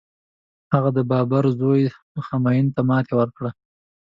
هغه د بابر زوی همایون ته ماتي ورکړه.